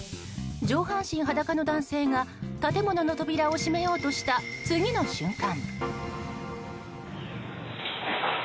上半身裸の男性が建物の扉を閉めようとした次の瞬間。